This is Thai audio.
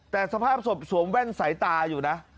แต่สภาพศพสวมแว่นสายตาอยู่นะ